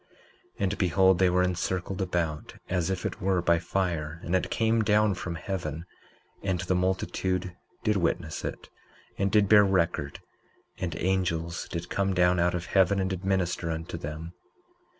19:14 And behold, they were encircled about as if it were by fire; and it came down from heaven, and the multitude did witness it, and did bear record; and angels did come down out of heaven and did minister unto them.